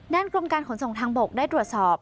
กรมการขนส่งทางบกได้ตรวจสอบ